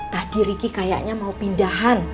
tadi riki kayaknya mau pindahan